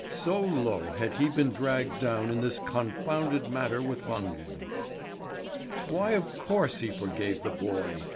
So low had he been dragged down in this confounded matter with Wangen. Why of course he forgave the boy!